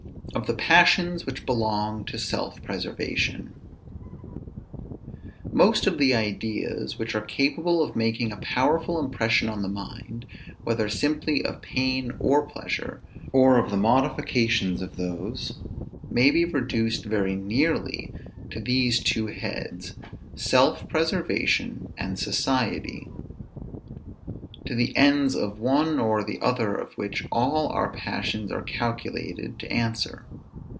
OF THE PASSIONS WHICH BELONG TO SELF PRESERVATION. Most of the ideas which are capable of making a powerful impression on the mind, whether simply of pain or pleasure, or of the modifications of those, may be reduced very nearly to these two heads, self preservation, and society; to the ends of one or the other of which all our passions are calculated to answer.